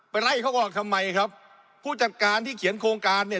ไล่เขาออกทำไมครับผู้จัดการที่เขียนโครงการเนี่ย